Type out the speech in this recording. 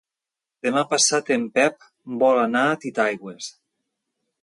Demà passat en Pep vol anar a Titaigües.